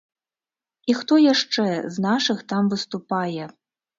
І хто яшчэ з нашых там выступае?